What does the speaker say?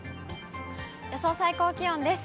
予想最高気温です。